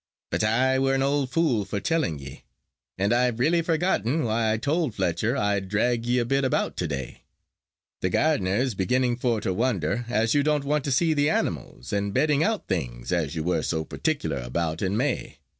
But I were an old fool for telling ye. And I've really forgotten why I told Fletcher I'd drag ye a bit about to day. Th' gardener is beginning for to wonder as you don't want to see th' annuals and bedding out things as you were so particular about in May.